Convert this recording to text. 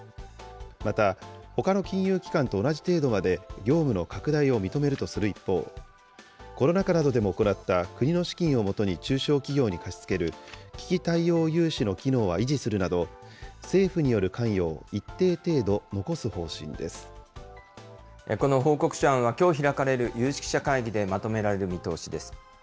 また、ほかの金融機関と同じ程度まで業務の拡大を認めるとする一方、コロナ禍などでも行った国の資金を元に中小企業に貸し付ける、危機対応融資の機能は維持するなど政府による関与を一定程度残すこの報告書案はきょう開かれる有識者会議でまとめられる見通しです。